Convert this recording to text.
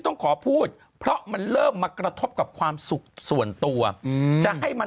ต้องขอพูดเพราะมันเริ่มมากระทบกับความสุขส่วนตัวอืมจะให้มา